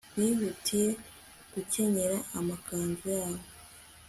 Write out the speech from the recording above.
Bihutiye gukenyera amakanzu yabo